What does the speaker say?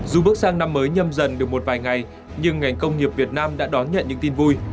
dù bước sang năm mới nhâm dần được một vài ngày nhưng ngành công nghiệp việt nam đã đón nhận những tin vui